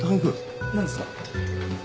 何ですか？